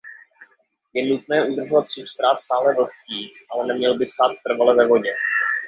Je nutné udržovat substrát stále vlhký ale neměly by stát trvale ve vodě.